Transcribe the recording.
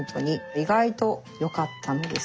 意外とよかったんです。